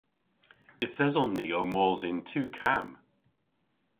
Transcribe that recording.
Yth eson ni ow mos yn tu kamm.